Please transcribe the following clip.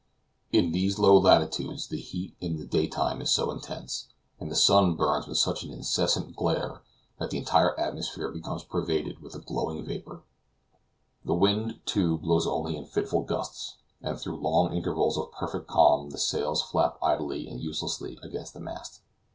In these low latitudes the heat in the day time is so intense, and the sun burns with such an incessant glare, that the entire atmosphere becomes pervaded with a glowing vapor. The wind, too, blows only in fitful gusts, and through long intervals of perfect calm the sails flap idly and uselessly against the mast.